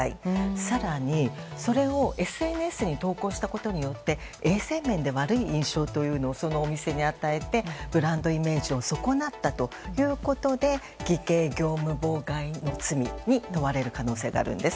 更に、それをＳＮＳに投稿したことによって衛生面で悪い印象というのをそのお店に与えてブランドイメージを損なったということで偽計業務妨害の罪に問われる可能性があるんです。